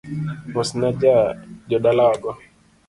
Mosna jo dalawago.